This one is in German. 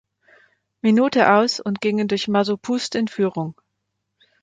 Minute aus und gingen durch Masopust in Führung.